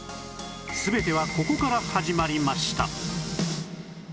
全てはここから始まりました